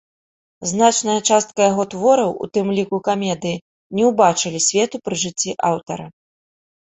Значная частка яго твораў, у тым ліку камедыі, не ўбачылі свету пры жыцці аўтара.